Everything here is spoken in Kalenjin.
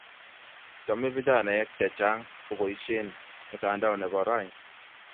chome vijanaek chechang koboishen mtandaoo nebo rauni